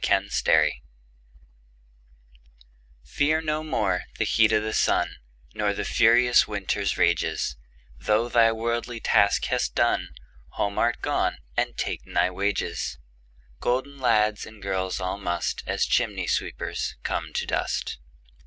Fidele FEAR no more the heat o' the sunNor the furious winter's rages; Thou thy worldly task hast done, Home art gone and ta'en thy wages:Golden lads and girls all must, As chimney sweepers, come to dust.